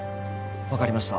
わかりました。